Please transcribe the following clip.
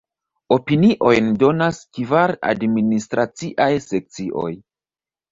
Opiniojn donas kvar administraciaj sekcioj.